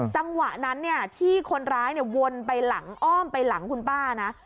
จังหวะนั้นที่คนร้ายวนไปหลังอ้อมไปหลังคุณป้านะ